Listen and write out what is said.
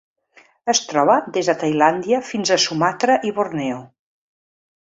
Es troba des de Tailàndia fins a Sumatra i Borneo.